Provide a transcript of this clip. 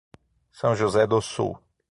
São José do Sul